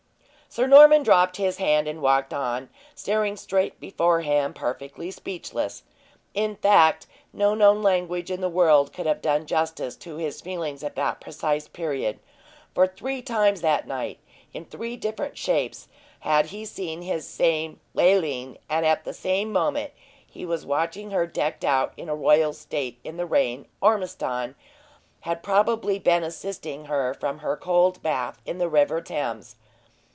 Sir Norman dropped his hand, and walked on, staring straight before him, perfectly speechless. In fact, no known language in the world could have done justice to his feelings at that precise period; for three times that night, in three different shapes, had he seen this same Leoline, and at the same moment he was watching her decked out in royal state in the rain, Ormiston had probably been assisting her from her cold bath in the river Thames.